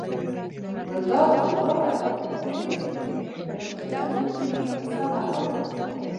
ګلداد وویل ته پوهېږې له کومې ورځې چې موږ پسه حلال کړ.